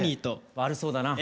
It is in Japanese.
悪そうだな。